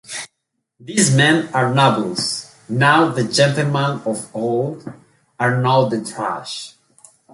These men are nobles, now, the gentlemen of old are now the trash.